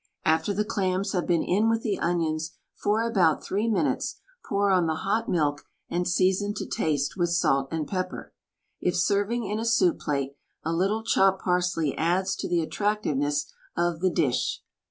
After the clams have been in with the onions for about three minutes pour on the hot milk and season to taste with salt and pepper. If serving in a soup plate, a little chopped parsley adds to the attractiveness of the dish.